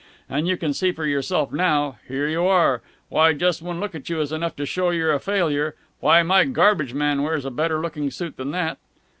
And you can see for yourself now Here you are. Why, just one look at you is enough to show you're a failure! Why, my garbage man wears a better looking suit than that!"